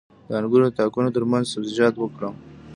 د انګورو د تاکونو ترمنځ سبزیجات وکرم؟